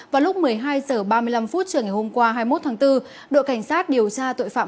vào lúc một mươi hai h ba mươi năm trường ngày hôm qua hai mươi một tháng bốn đội cảnh sát điều tra tội phạm